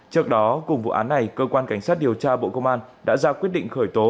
trước đó cùng vụ án này cơ quan cảnh sát điều tra bộ công an đã ra quyết định khởi tố